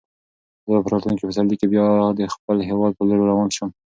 زه به په راتلونکي پسرلي کې بیا د خپل هیواد په لور روان شم.